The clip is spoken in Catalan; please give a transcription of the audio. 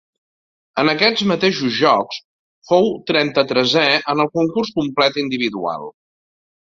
En aquests mateixos Jocs fou trenta-tresè en el concurs complet individual.